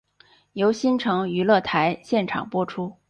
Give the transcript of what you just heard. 由新城娱乐台现场播出。